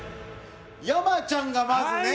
山ちゃんがまずね。